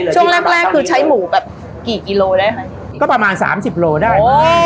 ช่วงแรกแรกคือใช้หมูแบบกี่กิโลได้ไหมคะก็ประมาณสามสิบโลได้